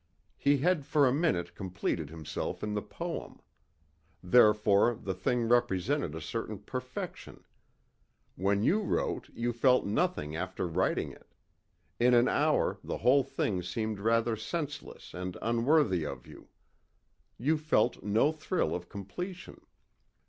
He had for a minute completed himself in the poem. Therefore the thing represented a certain perfection. When you wrote you felt nothing after writing it. In an hour the whole thing seemed rather senseless and unworthy of you. You felt no thrill of completion.